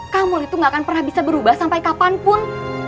kamul itu gak akan pernah bisa berubah sampai kapanpun